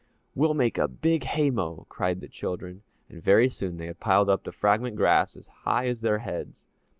"We'll make a big hay mow!" cried the children, and very soon they had piled up the fragment grass as high as their heads.